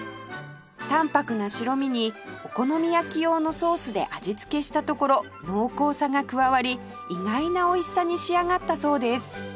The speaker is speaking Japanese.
淡泊な白身にお好み焼き用のソースで味付けしたところ濃厚さが加わり意外な美味しさに仕上がったそうです